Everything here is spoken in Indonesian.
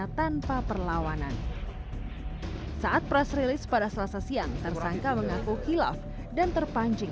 hai tanpa perlawanan saat press release pada selasa siang tersangka mengaku hilaf dan terpancing